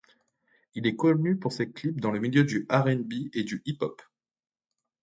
Il est connu pour ses clips dans le milieu du R&B et du Hip-hop.